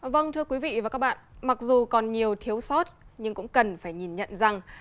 vâng thưa quý vị và các bạn mặc dù còn nhiều thiếu sót nhưng cũng cần phải nhìn nhận rằng